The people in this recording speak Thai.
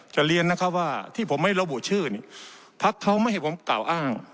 เรียนนะครับว่าที่ผมไม่ระบุชื่อนี่พักเขาไม่ให้ผมกล่าวอ้าง